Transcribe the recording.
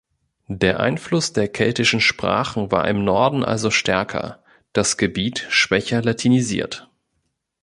Der Einfluss der keltischen Sprachen war im Norden also stärker, das Gebiet schwächer latinisiert.